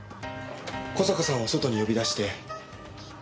小坂さんを外に呼び出して。